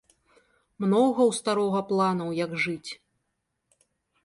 Многа ў старога планаў, як жыць.